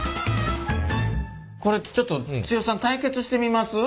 これちょっと剛さん対決してみます？